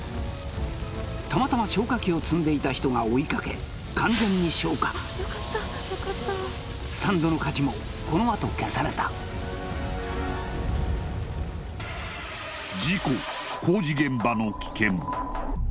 たまたま消火器を積んでいた人が追いかけ完全に消火スタンドの火事もこのあと消された工事現場の危険